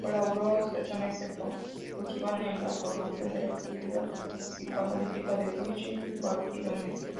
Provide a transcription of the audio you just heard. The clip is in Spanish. Colaboró estrechamente con Sullivan en la formación de la Sociedad Psicoanalítica de Whashington-Baltimore.